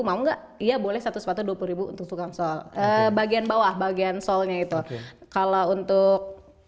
mau enggak iya boleh satu sepatu dua puluh untuk tukang soal bagian bawah bagian soalnya itu kalau untuk